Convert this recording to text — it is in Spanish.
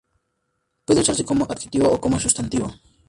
Puede usarse como adjetivo o como sustantivo.